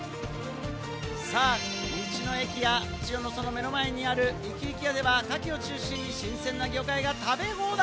さぁ、道の駅やちよの目の前にある活き活き家では、カキを中心に新鮮な魚介が食べ放題。